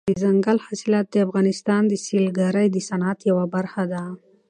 دځنګل حاصلات د افغانستان د سیلګرۍ د صنعت یوه برخه ده.